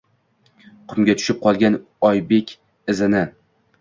Qumga tushib qolgan Oybek izini